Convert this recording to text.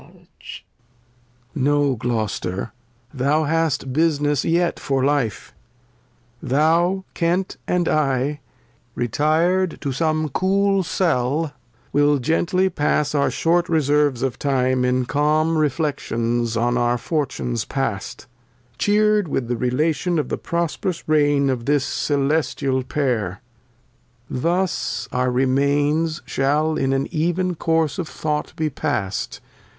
Lear. No, Gloster, thou hast Business yet for Life ; Thou, Kent, and I, retir'd to some cool CeU WiU gently pass our short Reserves of Time In calm Reflections on our Fortunes past, Cheer'd with Relation of the prosperous Reign Of this celestial Pair ; thus our Remains Shall in, an ev eh "Course'^f°Though j:^ be past.